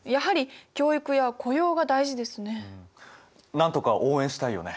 なんとか応援したいよね。